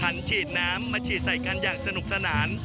ฉีดน้ำมาฉีดใส่กันอย่างสนุกสนาน